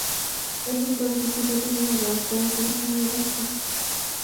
এতদিন পরে কী ছুতা করিয়া যে ডাক্তার ডাকিবেন, ভাবিয়া পাইতেছেন না।